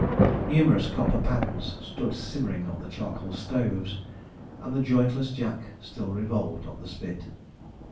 Numerous copper pans stood simmering on the charcoal stoves, and the jointless jack still revolved on the spit.